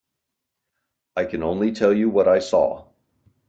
I can only tell you what I saw.